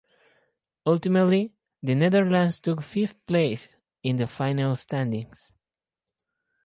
Ultimately, the Netherlands took fifth place in the final standings.